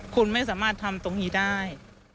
คุณไม่สามารถทำตรงนี้ได้